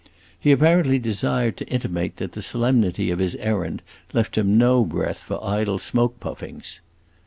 He apparently desired to intimate that the solemnity of his errand left him no breath for idle smoke puffings.